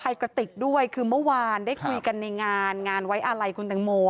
แล้วก็ไม่พบว่ามีการฟันหัดตามที่เป็นข่าวทางโซเชียลก็ไม่พบ